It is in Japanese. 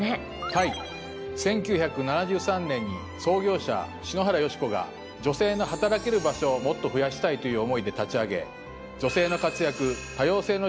はい１９７３年に創業者篠原欣子が女性の働ける場所をもっと増やしたいという思いで立ち上げ。